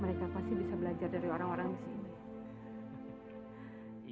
mereka pasti bisa belajar dari orang orang disini